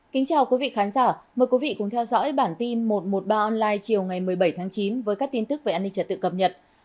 kính chào quý vị khán giả mời quý vị cùng theo dõi bản tin một trăm một mươi ba online chiều ngày một mươi bảy tháng chín với các tin tức về an ninh trật tự cập nhật